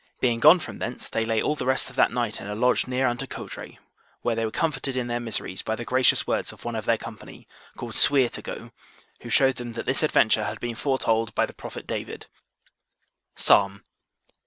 Being gone from thence, they lay all the rest of that night in a lodge near unto Coudray, where they were comforted in their miseries by the gracious words of one of their company, called Sweer to go, who showed them that this adventure had been foretold by the prophet David, Psalm.